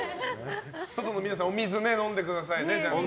外の皆さんお水飲んでくださいね。